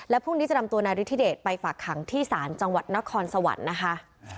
พรุ่งนี้จะนำตัวนายฤทธิเดชไปฝากขังที่ศาลจังหวัดนครสวรรค์นะคะ